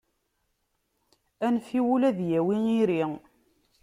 Anef i wul ad yawi iri.